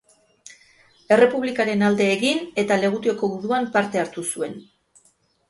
Errepublikaren alde egin eta Legutioko guduan parte hartu zuen.